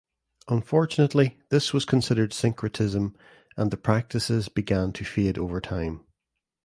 Unfortunately this was considered syncretism and the practices began to fade over time.